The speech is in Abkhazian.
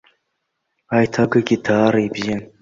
Аиҭагагьы даара ибзиан.